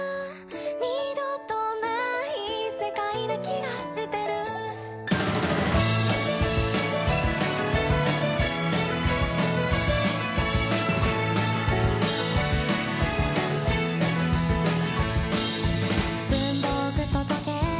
「二度とない世界な気がしてる」「文房具と時計